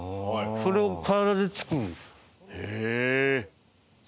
それを体で作るんです。